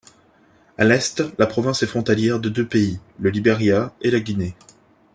À l'est, la province est frontalière de deux pays: le Liberia et la Guinée.